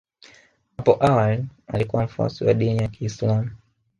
Apo awali alikuwa mfuasi wa dini ya Kiislam